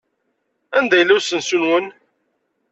Anda yella usensu-nwen?